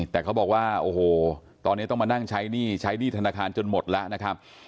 แต่เขาบอกว่าโอ้โหตอนนี้ต้องมานั่งใช้หนี้ใช้หนี้ธนาคารจนหมดแล้วนะครับ